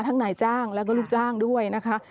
นายจ้างแล้วก็ลูกจ้างด้วยนะคะ